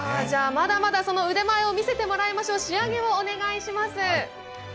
まだまだその腕前を見せてもらいましょう仕上げをお願いします。